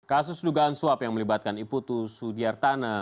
kasus dugaan suap yang melibatkan iputu sudiartana